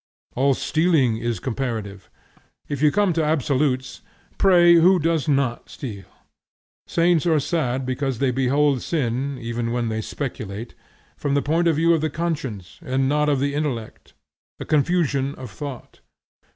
All stealing is comparative. If you come to absolutes, pray who does not steal? Saints are sad, because they behold sin (even when they speculate), from the point of view of the conscience, and not of the intellect; a confusion of thought.